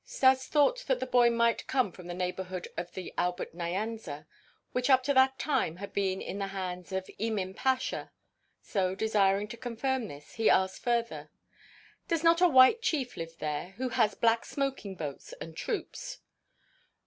'" Stas thought that the boy might come from the neighborhood of the Albert Nyanza, which up to that time had been in the hands of Emin Pasha; so, desiring to confirm this, he asked further: "Does not a white chief live there who has black smoking boats and troops?"